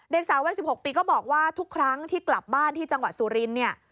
สาววัย๑๖ปีก็บอกว่าทุกครั้งที่กลับบ้านที่จังหวัดสุรินทร์เนี่ย